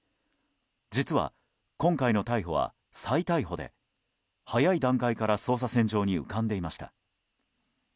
実は、今回の逮捕は再逮捕で早い段階から捜査線上に浮かんでいました。